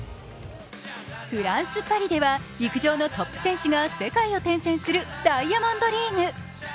フランス・パリでは陸上のトップ選手が世界を転戦するダイヤモンドリーグ。